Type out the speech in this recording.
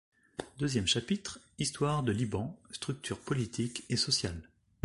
Deuxième chapitre: Histoire de Liban, Structure politique et sociale.